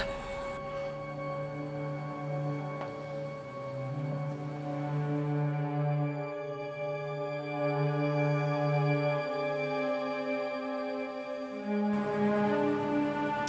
aku mau pergi